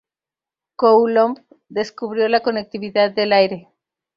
Coulomb descubrió la conductividad del aire.